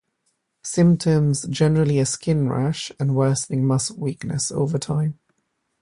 Symptoms generally a skin rash and worsening muscle weakness over time.